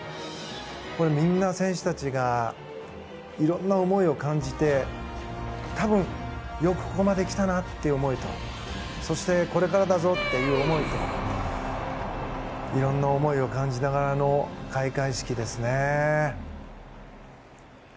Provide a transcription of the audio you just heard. みんな選手たちがいろんな思いを感じて多分、よくここまで来たなという思いとそしてこれからだぞっていう思いといろんな思いを感じながらの開会式ですね。